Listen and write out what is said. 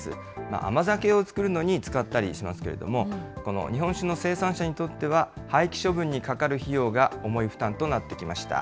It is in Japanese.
甘酒を造るのに使ったりしますけれども、この日本酒の生産者にとっては、廃棄処分にかかる費用が重い負担となってきました。